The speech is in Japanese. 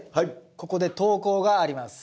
ここで投稿があります。